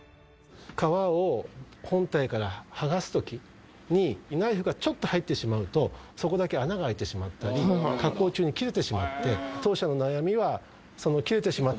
皮を本体から剥がす時にナイフがちょっと入ってしまうとそこだけ穴が開いてしまったり加工中に切れてしまって。